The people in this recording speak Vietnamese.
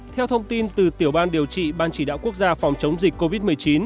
theo thông tin từ tiểu ban điều trị ban chỉ đạo quốc gia phòng chống dịch covid một mươi chín